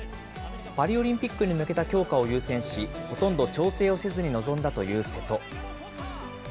パリオリンピックに向けた強化を優先し、ほとんど調整をせずに臨んだという瀬戸。